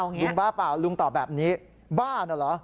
ลุงบ้าเปล่าลุงตอบแบบนี้บ้านะเหรอ